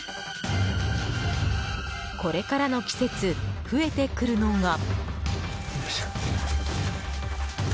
これからの季節増えてくるのが。